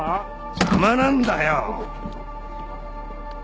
邪魔なんだよ！